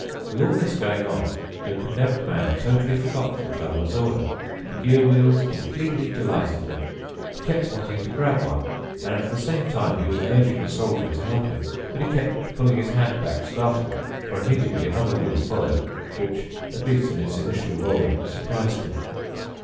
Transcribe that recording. With all this going on, the Condemned Man totally forgot the Traveler's order. The gear wheels completely delighted him. He kept wanting to grab one, and at the same time he was urging the Soldier to help him. But he kept pulling his hand back startled, for immediately another wheel followed, which, at least in its initial rolling, surprised him.